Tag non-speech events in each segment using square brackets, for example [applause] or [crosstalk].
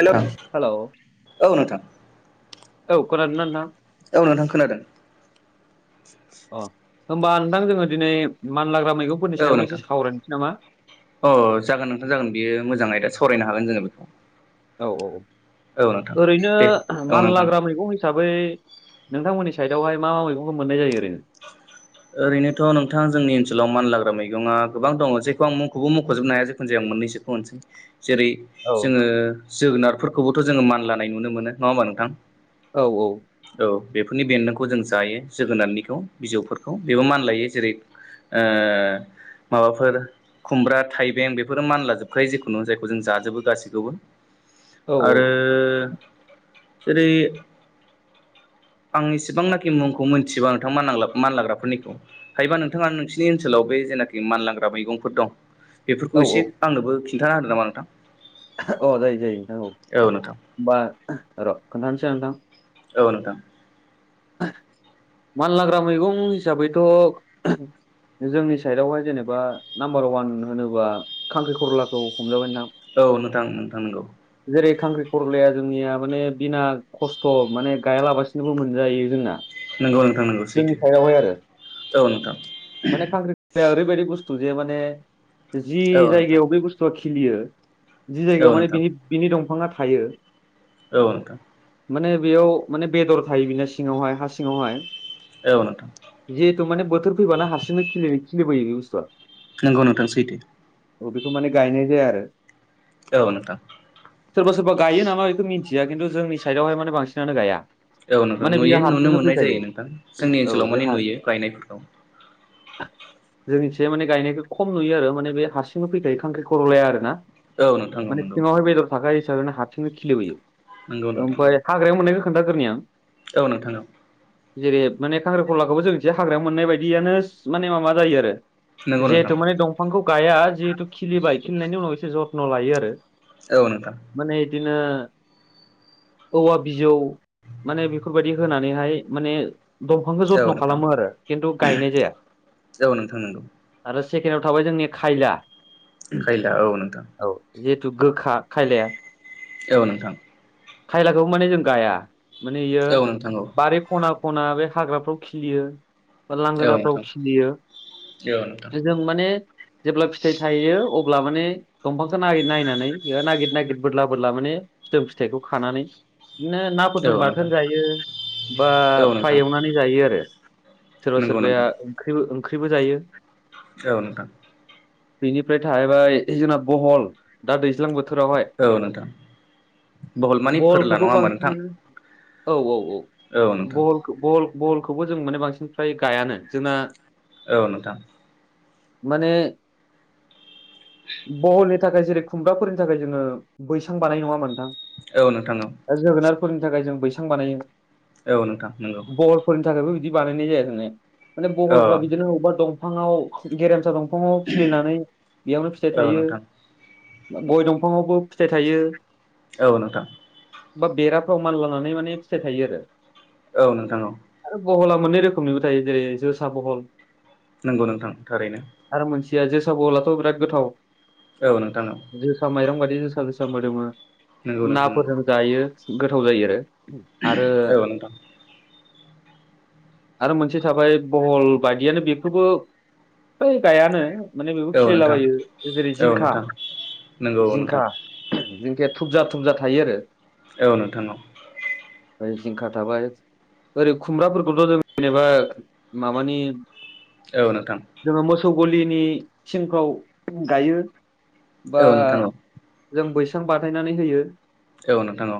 हेल' hello औ नोंथां औ खोनादों ना नोंथां औ नोंथां खोनादों अ होमबा नोंथां जोङो दिनै मानलाग्रा मैगंनि सायावनो एसे सावरायनोसै नामा? ओ जागोन नोंथां जागोन बियो मोजां आयदा सावरायनो हागोन जोङो बिखौ औ औ ओरैनो दे ओ औ नोंथां मानलाग्रा मैगं हिसाबै नोंथांमोननि साइदावहाय मा मा मैगंखौ मोननाय जायो ओरैनो ओरैनोथ' नोंथां जोंनि ओनसोलाव मानलाग्रा मैगङा गोबां दङ जेखौ आं मुंखौबो मख'जोबनो हाया जखुन जाया मोननैसो होनसै। जेरै औ जोङो जोगोनारफोरखौबोथ' जोङो मानलानाय नुनो मोनो नङा होमब्ला नोंथां औ औ औ बेफोरनि बेन्दोंखौ जों जायो जोगोनारनिखौ बिजौफोरखौ बेबो मानलायो जेरै ओ माबाफोर खुमब्रा थाइबें बेफोरो मानलाजोबखायो जिखुनो जायखौ जों जाजोबो गासैखौबो औ आरो - ओरै आं इसिबांनाखि मुंखौ मिथिजोबा नोंथांमोन मानलाग्रा फोर निखौ हायोबा नोंथाङानो नोंसिनि ओनसोलाव बे जेनाखि मानलाग्रा मैगंफोर दं औ बेफोरखौ औ एसे आंनोबो खिन्थाना होदो नामा नोंथां? अ जायो जायो नोंथां औ होमबा र' खोन्थानोसै आं नोंथां [inaudible] औ नोंथां मान लाग्रा मैगं हिसाबैथ' जोंनि साइडआवहाय जेनेबा नाम्बार अवान होनोबा खांख्रिखर'लाखौ हमजाबाय नोंथां औ नोंथां नोंथां नंगौ जेरै खांख्रि खर'लाया जोंनिया माने बिना खस्थ' माने गायालाबासिनोबो मोनजायो जोंना। नंगौ नोंथां नंगौ जोंनि सैथो साइडआवहाय आरो औ नोंथां माने खांख्रिाखर'लाया ओरैबायदि बस्थु जे माने जि औ नोंथां जायगायाव बे बुस्थुआ खिलियो जि जायगायाव औ माने नोंथां बि बिनि दंफाङा थायो औ नोथां माने बेयाव माने बेदर थायो बेना सिङावहाय हा सिङावहाय। औ नोंथां थ मान बोथोर फैबाना हारसिंनो खिलिबोयो बे बुस्थुआ नंगौ नोंथां सैथो अ बेखौ माने गायनाय जाया आरो औ नोंथां सोरबा सोरबा गायो नामा बेखौ मिन्थिया खिन्थु जोंनि साइडआवहाय माने बांसिनानो गाया औ नोंथां माने बियो नुयो नुनो हारसिंनो मोननाय जायो फैखायो नोंथां जोंनि औ ओनसोलाव बे माने हा नुयो गायनायफोरखौ। जोंनिथिंजाय माने गायनायखौ खम नुयो आरो माने बे हारसिंनो फैखायो खांख्रिखर'लाया आरोना औ नोंथां औ माने नंगौ सिंआव हाय बेदर थाखायो ओरैनो हारसिंनो नंगौ खिलिबोयो। नोंथां ओमफ्राय हाग्रायाव मोननायखौ खोन्थाग्रोनि आं। औ नोंथां औ जेरै- माने खांख्रिखलाखौबो जों जे हाग्राायाव मोननाय बायदियानो माने मााबा जायो आरो नंगौ नोंथां जिहेथु माने दंफांखौ गाया जिहेथु खिलिबाय खिलिनायनि उनाव एसे जथ्न' लायो आरो औ नोंथां नो औवा बिजौ माने फोरबायदि होनानैहाय माने दंफांखौ औ जथ्न' नोंथां खालामो आरो खिन्थु गायनाय जाया औ नोंथां नंगौ - आरो सेकेण्डआव थाबाय जोंनि खायला खैला औ नोंथां औ जिहेथु गोखा खायलाया औ नोंथां खायलाखौ माने जों गाया माने बियो औ नोंथां बारि खना खना बे हाग्राफ्राव खिलियो बा औ लांगोनाफ्राव नोंथां खिलियो औ नोंथां जों माने जेब्ला फिथाइ थायो अब्ला ब्ला माने दंफांखौ नागिर नायनानै नागिर नागिर बोदला बोदला माने फिथो फिथाइखौ खानानै बिदिनो औ नाफोरजों नोंथां बाथोन जायो बा औ नोंथां फ्राइ एवनानै जायो आरो सोरबा नंगौ सोरबाया नोंथां ओंख्रि ओंख्रिबो जायो। औ नोंथां बेनिफ्राय थाहैबाय जोंना बहल दा दैज्लां बोथोर औ नोंथां बहल मानि फोरला बहलखौबो नङा होमबा नोंथां बांसिनानो औ औ औ बहलखौ बल बलखौबो जों माने बांसिन फ्राय गायानो जोंना औ नोंथां माने बहलनि थाखाय जेरै खुमब्राफोरनि थाखाय जोङो बैसां बानाय नङा मोनथां औ नोंथांनाव फोरनि थाखाय जों बैसां बानायो औ नोंथां नंगौ बहलफोरनि थाखायबो बिदि बानायनाय जायोाने माने औ बहलफ्रा बिदिनो बबेबा दंफांाव गेरेमसा दंफां खङाव खिलिनानै बेयावनो फिथाइ औ थायो नोंथां गय दंफंङावबो फिथाइ थायो औ नोंथां बा बेराफ्राव मान लानानै माने फिथाइ थायो आरो औ नोंथां औ। पहला मोननै रोखोमनिबो थायो जेरै जोसा पहल नंगौ नोंथां थारैनो जुथिया जोसा बलाथ' बिराद गोथाव औ नोंथां औ जोसा माइरं गायदि जोसा जोसा मोदोमो नंगौ नोंथां नाफोरजों जायो गोथाव जायो आरो आरो था [inaudible] आरो मोनसे थाबाय बहल बायदियानो बेखौबो बै गायानो माने बेबो औ नोंथां खिललाबायो जेरै औ जिंखा नोंथां नंगौ औ जिंखा नोंथां जिंखाया थुबजा थुबजा थायो आरो ए नथ न ओ जिंखा थाबाय ओरै खुमब्राफोरखौथ' जों जेनेबा माबानि औ नोंथां गथौ गलिनि सिंफ्राव गायो बा औ औ नोंथां औ जों बैसाग बेसां बाथायनानै होयो औ नोंथां औ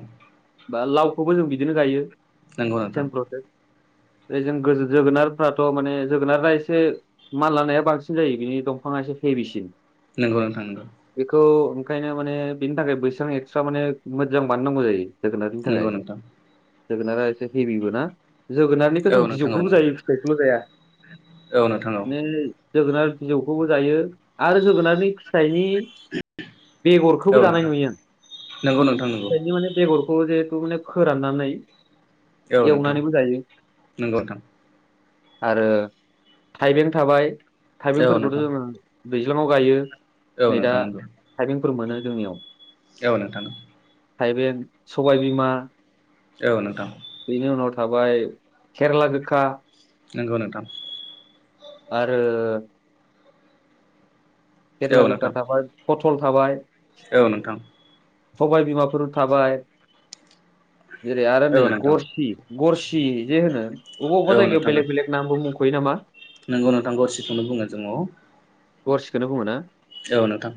बा लावखौबो जों बिदिनो गायो नांगौ नोंथां। सेम प्रसेस जों गो जोगोनारफ्राथ' माने जोगोनारा एसे मान लानाया बांसिन जायो बिनि दंफां खायसे फे बिसिन नोंगौ नोंथां नोंगौ। ओंखायनो माने बिनि थाखाय बैसबां एक्सट्रा माने मोजां बानायनांगौ जायो जोगोनारनि नंगौ थाखाय नोंथां जोगोनारा एसे हेभिबो ना जोगोनारनिखौ औ जों नोंथां औ बिजौखौबो नंगौ जायो फिथाइखौल' जाया औ नोंथां बेै जोगोनार बिजौखौबो जायो आरो जोगोनारनि फिसाइनि औ बेगरखौबो औ दानाय नोंथां नुयो आं नंगौ नोंथां नंगौ जहेथु माने फोराननानै औ नोंथां एवनानैबो जायो नंगौ नोंथां आरो थाइबें थाबाय औ थाइबेंफोरखौथ' नोंथां जोङो दैज्लामाव गायो औ नों थांथौ फोर मोनो जोंनियाव एव न थानो थाइबें सबायबिमा औ नोंथां बेनि उनाव थाबाय केरेला गोखा नंगौ नोंथां आरो औ खेथला गोखा नोंथां थाबाय पथल थाबाय औ नोंथां सबाय बिमाफोर थाबाय जेरै आरो नै औ नोंथां औ नोंथां गरसि गरसि जे होनो बबेबा अबेबा जायगायाव बेलेग बेलेग नामबो मुंख'यो नामा नोंगौ नोंथांखौ सिखौनो बुङो जोंङो गरसेखोननो बुङो ना? औ नोंथां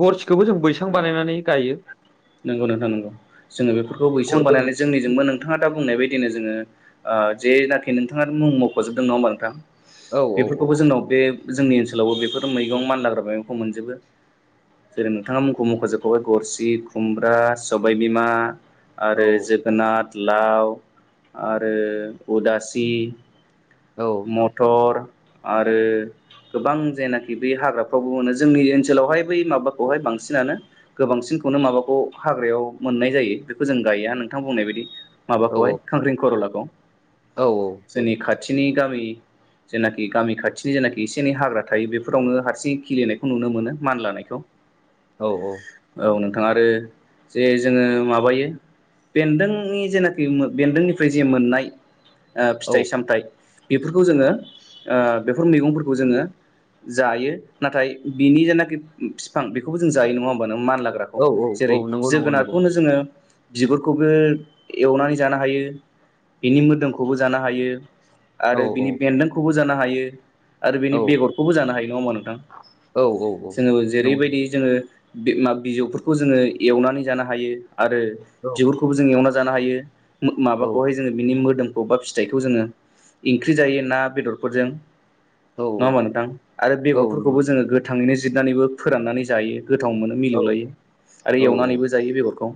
गरसिखौबो जों बैसां बानायनानै गायो नोंगौ नोंथां नंगौ जोङो बेफोरखौ बैसां गरसि बानायनानै जोंनिजोंबो नोंथाङा दा बुंनाय बायदिनो जोङो ओ जेनाखि नोंथाङा मुं मख'जोबदों नङा होमबा नोंथां औ बेफोरखौबो जोंनाव बे जोंनि ओनसोलावबो बेफोर मैगं मानलााग्रा मैगंखौ मोनजोबो जेरै नोंथाङा मुंखौ मख'जोबखाबाय गरसि खुमब्रा सबायबिमा औ आरो जोगोनाथ लाव आरो उदासि औ मटर आरो गोबां जायनाखि बे हाग्राफ्रावबो मोनो जोंनि ओनसोलावहाय बै माबाखौहाय बांसिनानो गोबांसिन खौनो माबाखौ हाग्रायाव मोननाय जायो बेखौ जों गायो नोंथां बुंनाय बायदि माबाखौहाय खांख्रिं खर'लाखौ औ औ जामि जेनाखि गामि खाथिनि जेनाखि एसे एनै हाग्रा थायो बेफोरावनो हारसिं खिलिनायखौ नुनो मोनो मानलानायखौ औ औ औ नोंथां आरो जे जोङो माबायो बेन्दोंनि जेनाखि बेन्दोंनिफ्राय जे मोननाय ओ फिथाइ सामथाइ बेफोरखौ जोङो ओ बेफोर मैगंफोरखौ जोङो जायो नाथाय बिनि जेनाखि फिफां बेखौबो जों जायो नङा होमबानो मानलाग्राखौ औ औ औ जेरै नंगौ नंगौ नंगौ जोगोनारखौनो जोङो बिगुरखौबो एवनानै जानो हायो बिनि मोदोमखौबो जानो हायो औ आरो औ बिनि बेन्दोंखौबो जानो हायो आरो बिनि औ बेगरखौबो जानो हायो नङा होमा नोंथां औ औ औ जोङो नंगौ जेरैबायदि जोङो बे मा बिजौफोरखौ जोङो एवनानै जानो हायो आरो औ बिगुरखौबो जों एवनानै ज जानो हायो औ म-माबाखौहाय जोङो बिनि मोदोमखौ बा फिथाइखौ जोङो ओंख्रि जायो ना बेदरफोरजों औ नङा होमबा नोंथां आरो औ बेगरफोरखौबो नंगौ जोङो गोथाङैनो जिरनानैबो फोराननानै जायो गोथाव मोनो औ मिलौलायो आरो औ एवनानैबो जायो बेगरखौ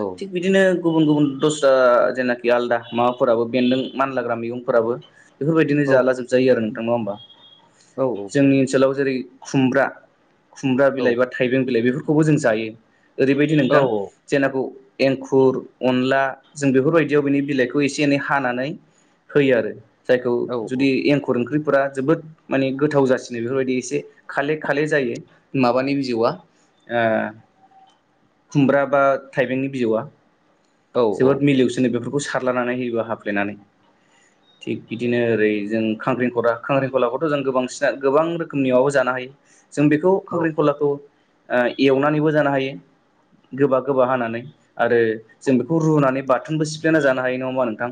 औ थिग बिदिनो गुबुन गुबुन दस्रा जेनाखि आलदा माबाफोराबो बेन्दों मानलाग्रा मैगंफोराबो बेफोरबायदिनो औ जाला जोबजायो आरो नोंथां ना होमबा जोंनि ओनसोलाव जेरै खुमब्रा खुमब्रा बिलाइ बा थाइबें बिलाइ बेफोरखौबो जों जायो ओरैबायदि नोंथां जेनाखौ एंखुर अनला जों बेफोरबायदियाव बिनि बिलाइखौ एसे एनै हानानै होयो आरो जायखौ औ जुदि एंखुर ओंख्रि फोरा जोबोद माने गोथाव जासिनो बेफोरबायदि एसे खाले खाले जायो माबानि बिजौआ ओ खुमब्रा बा थाइबेंनि बिजौआ औ जोबोद मिलौसोनो बेफोरखौ सारलानानै होयोबा हाफ्लेनानै [inaudible] थिग बिदिनो ओरै जों खांख्रिंखला खांख्रिंखलाखौथ' जों गोबांसिना गोबां रोखोमनिबाबो जानो हायो जों बेखौ औ खख्रिेंखलाखौ ओ एवनानैबो जानो हायो गोबा गोबा हानानै आरो जों बेखौ रुनानै बाथोनबो सिफ्लेना जानो हायो नङा होनबा नोंथां?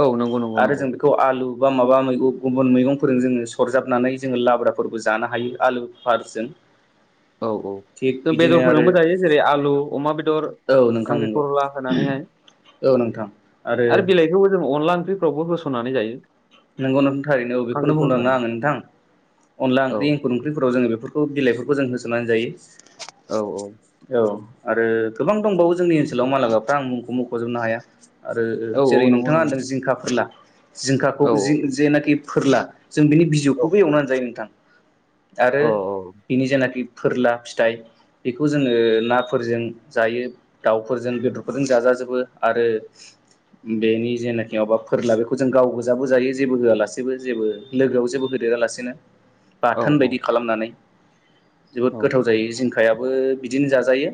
औ नंगौ नंगौ आरो नंगौ जों बेखौ आलु माबा मैगं गुबुन मैगंफोरजों जोङो सरजाबनानै जोङो लाब्राफोरबो जानो हायो आलुफोरजों। औ औ जों बेदरफोरजोंबो जायो जेरै आलु अमा बेदर औ नोंथां नंगौ खांख्रिखला होनानैहाय। औ नोंथां आरो बिलाइखौबो जों अनला ओंख्रिफ्रावबो होस'ननानै जायो। नोंगौ नोंथां थारैनो औ बेखौनो बुंदोंना खांख्रिखरलानि। आङो नोंथां अनला औ ओंख्रि एंखुर ओंख्रिफोराव जोङो बेफोरखौ बिलाइफोरखौ जों होसोनानै औ औ जायो औ। आरो गोबां दंबावो जोंनि ओनसोलाव मानलागाफ्रा आं मुंखौ मुंख'जोबनो हाया। आरो औ औ जेरै नंगौ नोंथाङा नंगौ होनदों जिंखा, फोरला जिंखाखौ औ जेनाखि फोरला। जों बिनि औ बिजौखौबो एवना जायो नोंथां। आरो औ बिनि जेनाखि फोरला फिथाइ। बेखौ जोङो नाफोरजों जायो, दाउफोरजों, बेदरफोरजों जाजाजोबो आरो बेनि जेनाखि माबा फोरला बेखौ जों गावगोजा बो जायो जेबो होआलासेबो जेबो लोगोआव जेबो होदेरा लासिनो औ बाथोन बायदि औ खालामनानै। जोबोद औ गोथाव जायो जिंखायाबो बिदिनो जाजायो।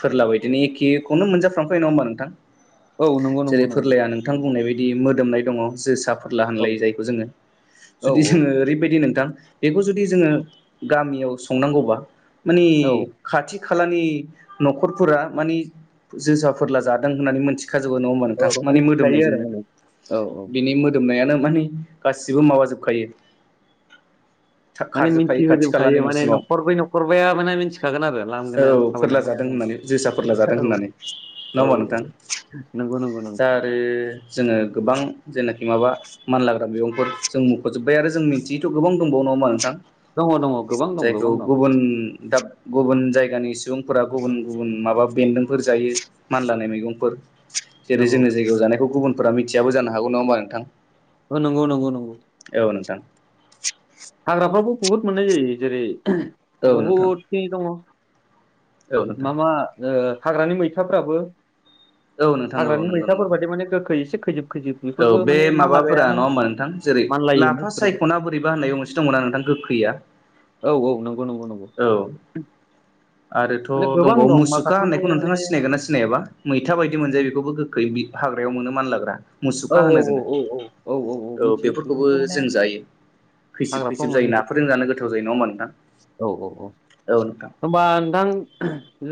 फोरला बायदिनो एखेखौनो मोनजाफ्रामखायो नङा होनबा नोंथां? औ नंगौ नंगौ जेरै नंगौ फोरलाया नोंथां बुंनाय बाय दि मोदोमनाय दङ जोसा फोरला औ होनलायो जायखौ जोङो। औ जुदि जोङो ओरैबायदि नोंथां बेखौ जुदि जोङो गामियाव संनांगौबा मानि औ खाथि खालानि न'खरफोरा मानि जोसा फोरला जादों होननानै मिथि खाजोबो नङा होमबा नोंथां औ माने मिथिखायो आरो मोदोमनायजोंनो। औ औ। बिनि मोदोमनायानो माने गासिबो माने माबाजोबखायो माने खारजोबखायो खाथि खालानि मिथिहोजोबखायो माने न'सिमाव न'खरब्रै न'खरबाया माने मिनथिखागोन आरो लांगोनाजों औ फोरला थाबायलांनाया। जादों होननानै जोसा फोरला जादों होननानै नङा औ होमबा औ नोंथां? नंगौ नंगौ दा नंगौ आरो जो ङो गोबां जेनाखि माबा मानलाग्रा मैगंफोर जों मुंख'जोब्बाय आरो जों मिन्थियैथ' गोबां दंबावो नङा होमबा नोंथां दङ दङ गोबां दं जायखौ गोबां दं गुबुन दाब गुबुन जाय गानि सुबुंफोरा गुबुन गुबुन माबा बेन्दोंफोर जायो मानलानाय मैगंफोर। जेरै नंगौ जोंनि जायगायाव जानायखौ गुबुनफोरा मिथियाबो जानो हागौ नङा होमबा नोंथां? औ नंगौ नंगौ नंगौ। औ नोंथां। हाग्राफ्रावबो बहुद मोननाय जायो जेरै औ नोंथां बहुद खिनि दङ। औ नोंथां मा मा ओ हाग्रानि मैथाफ्राबो औ नोंथां औ हाग्रानि नंगौ मैथाफोर नंगौ बायदि माने गोखै एसे खैजोब खैजोब। औ बेफोरबो बे माने माबाफोरा मानलाग्रायानो नङा होमबा नोंथां जेरै मानलायोनो लाफा बेफोरबो सायख' ना बोरैबा होननाय दंमोनना नोंथां मोनसे गोखै‌ [unintelligible] औ औ नंगौ नंगौ नंगौ। आरोथ' माने गोबां दंबावो दं मुसुखा माखासेनि होननायखौ माने नोंथाङा सिनायगोन ना सिनायाबा मैथा बायदि मोनजायो बेखौबो गोखै हाग्रायाव मोनो मानलाग्रा। औ मुसुखा होनो औ जोङो औ औ औ औ मिथियो बेफोरखौबो बेफोरखौ माने जों जायो। खैसिब हाग्राफ्राव खैसिब मोनो जायो बेफोरखौ नाफोरजों जानो गोथाव जायो नङा होमबा नोंथां? औ औ औ औ नोंथां होनबा नोंथां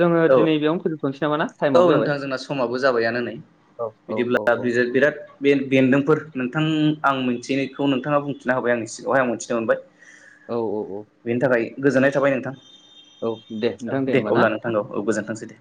जोङो औ दिनै बेयावनो फोजोबथ'नोसै नामा ना औ टाइमाबो जाबाय नोंथां जोंना समाबो जाबायानो नै औ औ औ बिदिब्ला औ। बिराद बे बेन्दोंफोर नोंथां आं मिथिनायखौ नोंथाङा बुंथिना होबाय आंनि सिगाङावहाय आं मिथिनो मोनबाय। औ औ औ। बेनि थाखाय गोजोननाय थाबाय नोंथां। औ दे नोंथां दे होमबा ना। औ औ गोजोनथोंसै दे।